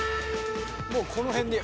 もうこの辺で。